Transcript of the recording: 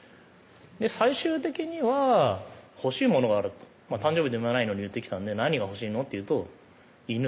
最終的には「欲しいものがある」と誕生日でもないのに言ってきたんで「何が欲しいの？」って言うと「犬」